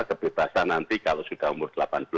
kebebasan nanti kalau sudah umur delapan belas